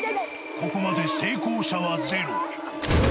ここまで成功者はゼロ。